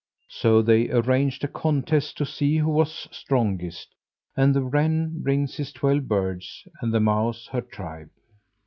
So they arranged a contest to see who was strongest, and the wren brings his twelve birds, and the mouse her tribe.